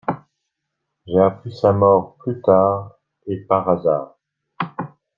J’appris sa mort plus tard et par hasard.